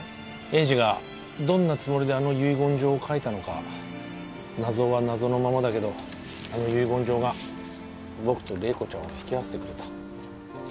栄治がどんなつもりであの遺言状を書いたのか謎は謎のままだけどあの遺言状が僕と麗子ちゃんを引き合わせてくれた。